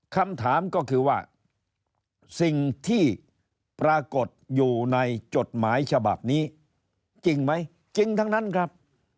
คำถามก็คือว่าสิ่งที่ปรากฏอยู่ในจดหมายฉบับนี้จริงไหมจริงทั้งนั้นครับ